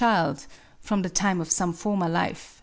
ld» from the, tina e of some former li fe^j^.